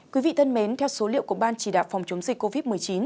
quý vị thân mến theo số liệu của ban chỉ đạo phòng chống dịch covid một mươi chín